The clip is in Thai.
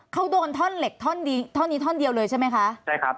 เขาโดนท่อนเหล็กท่อนี้ท่อนเดียวเลยใช่ไหมคะ